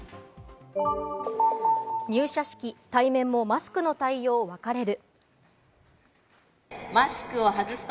入社式、対面もマスクの対応分かれる。